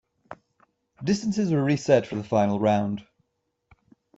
Distances were reset for the final round.